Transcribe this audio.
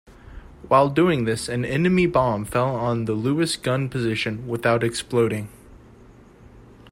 While doing this an enemy bomb fell on the Lewis gun position without exploding.